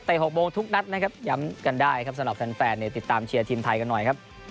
แต่๖โมงทุกนัดย้ำกันได้สำหรับแฟนติดตามเชียร์ทีมไทยกันหน่อย